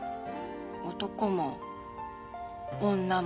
男も女も。